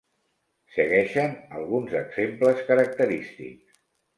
Segueixen alguns exemples característics.